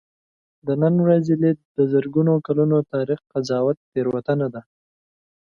د نن ورځې لید د زرګونو کلونو تاریخ قضاوت تېروتنه ده.